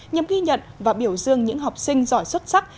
nhằm ghi nhận và biểu dương những học sinh giỏi xuất sắc